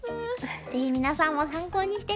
ぜひ皆さんも参考にして下さい。